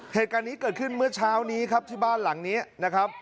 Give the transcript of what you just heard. เหตุการณ์นี้เกิดขึ้นเมื่อเช้านี้ครับที่บ้านหลังนี้นะครับ